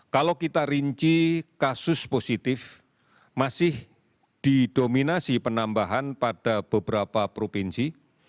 kalau kita rinci kasus positif masih didominasi penambahan pada beberapa provinsi